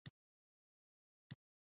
د خرما ونې په ننګرهار کې کیږي؟